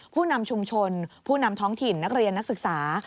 ผู้นำชุมชนผู้นำท้องถิ่นนักเรียนนักศึกษา